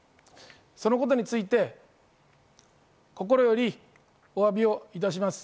そのことについて、心よりお詫びをいたします。